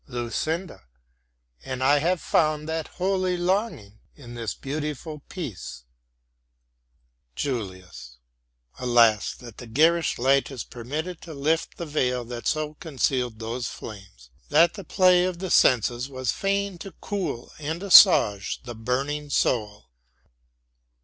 LUCINDA And I have found that holy longing in this beautiful peace. JULIUS Alas, that the garish light is permitted to lift the veil that so concealed those flames, that the play of the senses was fain to cool and assuage the burning soul.